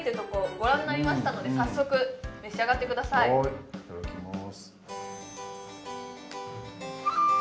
ご覧になりましたので早速召し上がってくださいはーいいただきます